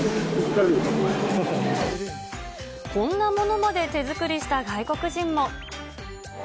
こんなものまで手作りした外国人も。